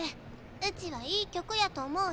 ウチはいい曲やと思うよ？